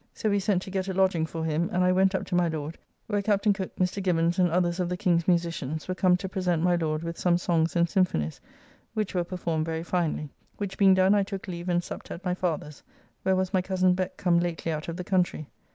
So we sent to get a lodging for him, and I went up to my Lord, where Captain Cooke, Mr. Gibbons, and others of the King's musicians were come to present my Lord with some songs and symphonys, which were performed very finely. Which being done I took leave and supped at my father's, where was my cozen Beck come lately out of the country.